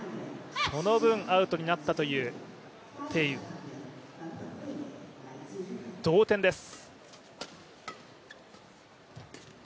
その分アウトになったという鄭雨、同点です。